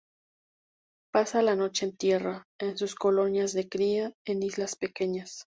Pasa la noche en tierra, en sus colonias de cría, en islas pequeñas.